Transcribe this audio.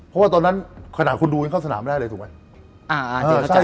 เพราะว่าตอนนั้นขนาดคุณดูยังเข้าสนามไม่ได้เลยถูกไหม